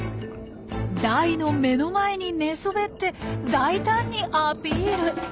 ダイの目の前に寝そべって大胆にアピール。